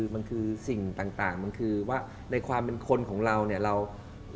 มันคือสิ่งต่างมันคือว่าในความเป็นคนของเราเนี่ย